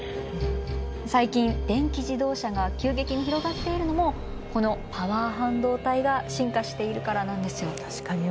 最近電気自動車が急激に広がっているのもこのパワー半導体が進化しているからなんですよ。